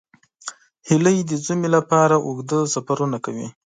هیلۍ د ژمي لپاره اوږده سفرونه کوي